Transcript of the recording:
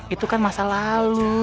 itu kan masa lalu